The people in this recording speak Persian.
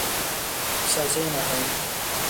سازهی نهایی